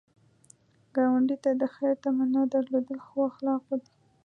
ګاونډي ته د خیر تمنا درلودل ښو اخلاق دي